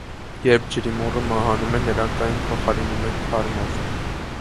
Երբ ջրիմուռը մահանում է, նրանք այն փոխարինում են թարմով։